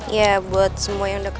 ya gitu deh